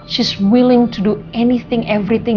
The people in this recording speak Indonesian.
dia berusaha untuk melakukan apa saja apa saja